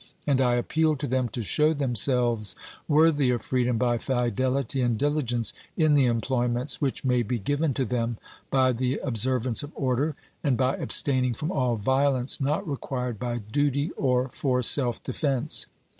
And I appeal to them to show themselves worthy of freedom by fidel ity and diligence in the employments which may be given to them, by the observance of order, and by abstaining from all violence not required by duty or for self defense.